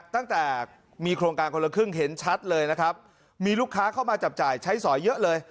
ตั้งแต่มีโครงการคนละครึ่งเห็นชัดเลยนะครับมีลูกค้าเข้ามาจับจ่ายใช้สอยเยอะเลย